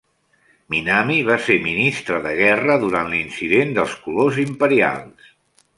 Minami va ser Ministre de Guerra durant l'Incident dels Colors Imperials.